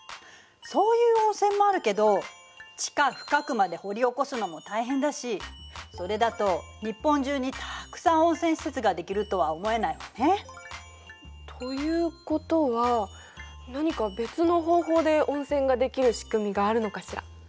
そういう温泉もあるけど地下深くまで掘り起こすのも大変だしそれだと日本中にたくさん温泉施設ができるとは思えないわね。ということは何か別の方法で温泉ができる仕組みがあるのかしら。